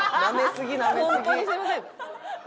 本当にすみません。